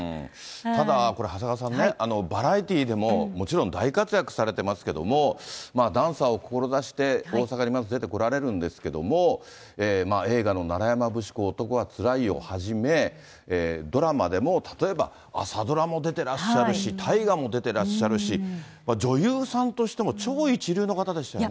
ただ、これ長谷川さんね、バラエティーでももちろん大活躍されてますけども、ダンサーを志して、大阪にまず出てこられるんですけれども、映画の楢山節考、男はつらいよをはじめ、ドラマでも、例えば朝ドラも出てらっしゃるし、大河も出てらっしゃるし、女優さんとしても超一流の方でしたよね。